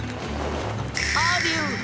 アデュー！